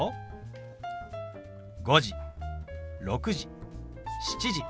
「５時」「６時」「７時」。